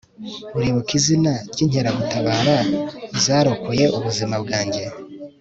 uribuka izina ryinkeragutabara zarokoye ubuzima bwanjye